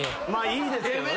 いいですけどね。